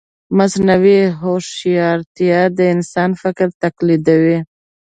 مصنوعي هوښیارتیا د انسان فکر تقلیدوي.